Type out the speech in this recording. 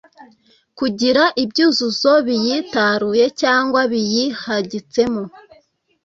kugira ibyuzuzo biyitaruye cyangwa biyihagitsemo